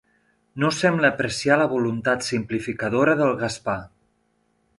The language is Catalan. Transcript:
No sembla apreciar la voluntat simplificadora del Gaspar.